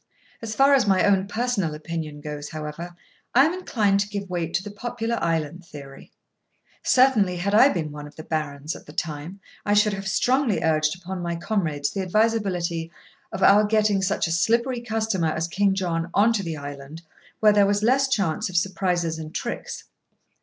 As far as my own personal opinion goes, however, I am inclined to give weight to the popular island theory. Certainly, had I been one of the Barons, at the time, I should have strongly urged upon my comrades the advisability of our getting such a slippery customer as King John on to the island, where there was less chance of surprises and tricks.